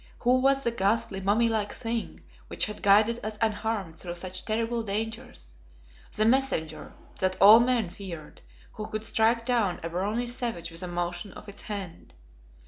Who was the ghastly, mummy like thing which had guided us unharmed through such terrible dangers; the Messenger that all men feared, who could strike down a brawny savage with a motion of its hand?